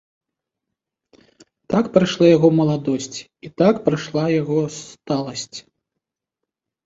Так прайшла яго маладосць, і так плыла яго сталасць.